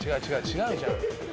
違うじゃん。